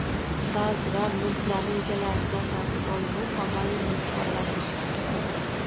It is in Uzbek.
Baʼzilar mulklarni egalaridan tortib olib, ommaviy mulkka aylantirishgan